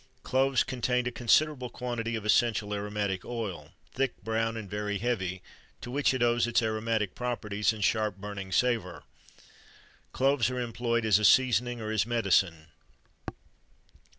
Cloves contain a considerable quantity of essential aromatic oil, thick, brown, and very heavy, to which it owes its aromatic properties and sharp burning savour. Cloves are employed as a seasoning or as medicine.